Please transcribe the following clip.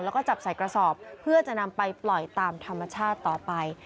แล้วก็จับใส่กระสอบเพื่อจะนำไปปล่อยตามธรรมชาติต่อไป